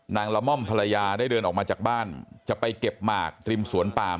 ละม่อมภรรยาได้เดินออกมาจากบ้านจะไปเก็บหมากริมสวนปาม